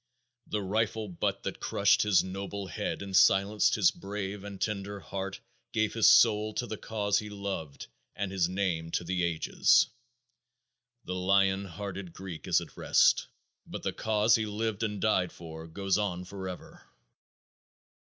The rifle butt that crushed his noble head and silenced his brave and tender heart gave his soul to the cause he loved and his name to the ages. The lion hearted Greek is at rest, but the cause he lived and died for goes on forever!